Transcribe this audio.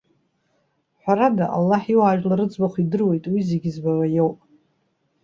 Ҳәарада, Аллаҳ иуаажәлар рыӡбахә идыруеит, уи зегьы збауа иоуп.